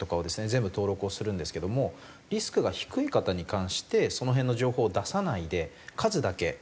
全部登録をするんですけどもリスクが低い方に関してその辺の情報を出さないで数だけ。